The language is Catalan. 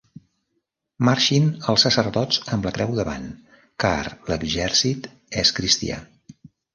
Marxin els sacerdots amb la creu davant, car l'exèrcit és cristià.